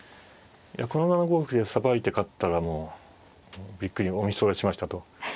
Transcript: この７五歩でさばいて勝ったらもうびっくりお見それしましたと。